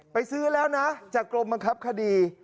ไปซื้อแล้วนะจากกรมบังคับคดี